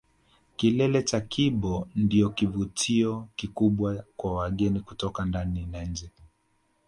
Kilele cha Kibo ndio kivutio kikubwa kwa wageni kutoka ndani na nje